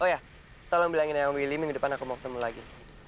oh iya tolong bilangin aja sama willy ming di depan aku mau ketemu lagi